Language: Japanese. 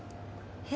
えっ？